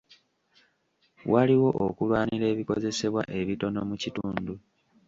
Waliwo okulwanira ebikozesebwa ebitono mu kitundu.